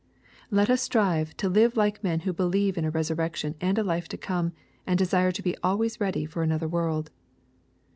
Let us strive to live like men who believe in a resur rection and a life to come, and desire to be always ready for another world.